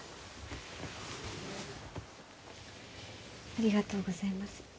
ありがとうございます。